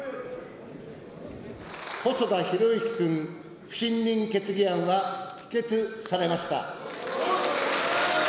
細田博之君不信任決議案は否決されました。